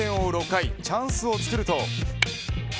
６回チャンスをつくると。